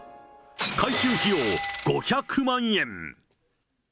改修費用５００万円。